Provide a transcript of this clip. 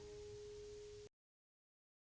mereka berdua berdua berdua